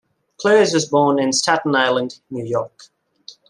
Close was born in Staten Island, New York.